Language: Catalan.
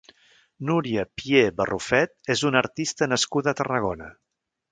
Núria Pié Barrufet és una artista nascuda a Tarragona.